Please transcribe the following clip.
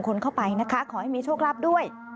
คนเข้าไปนะคะขอให้มีโชคลาภด้วย